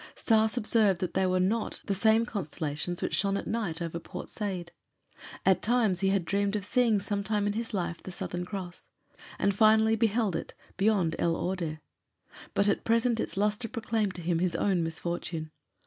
Stas observed that they were not the same constellations which shone at night over Port Said. At times he had dreamed of seeing sometime in his life the Southern Cross, and finally beheld it beyond El Ordeh. But at present its luster proclaimed to him his own misfortune.